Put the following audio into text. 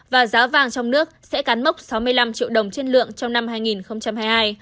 và giá vàng trong nước sẽ cán mốc sáu mươi năm triệu đồng trên lượng trong năm hai nghìn hai mươi hai